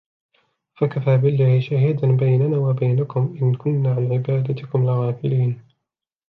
فَكَفَى بِاللَّهِ شَهِيدًا بَيْنَنَا وَبَيْنَكُمْ إِنْ كُنَّا عَنْ عِبَادَتِكُمْ لَغَافِلِينَ